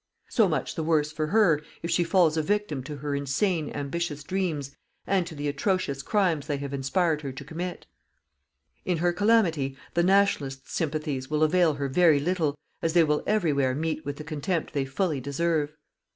So much the worse for her, if she falls a victim to her insane ambitious dreams and to the atrocious crimes they have inspired her to commit. In her calamity, the Nationalists' sympathies will avail her very little, as they will everywhere meet with the contempt they fully deserve.